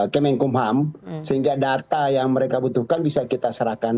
kemenkumham sehingga data yang mereka butuhkan bisa kita serahkan